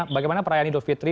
bagaimana perayaan hidup fitri